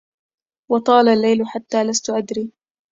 وطال الليل حتى لست أدري